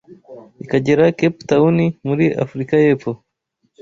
ikagera Cape Towuni muri Afurika y’Epfo